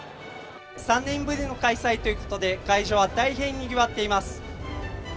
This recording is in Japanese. ３年ぶりの開催ということで、会場は大変にぎわっています。